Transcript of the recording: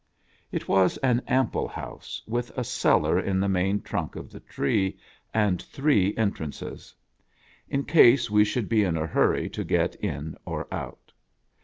It was an ample house, with a cellar in the main trunk of the tree, and three entrances, in case we should be in a hurry to get in or out.